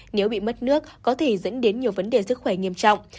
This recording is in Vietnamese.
nếu bị mất nước có thể dẫn đến nhiều vấn đề sức khỏe nghiêm trọng